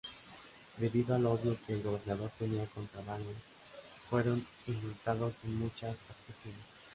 Debido al odio que el gobernador tenía contra Vane, fueron indultados sin muchas objeciones.